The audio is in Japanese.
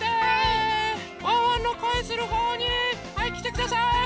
ワンワンのこえするほうにはいきてください！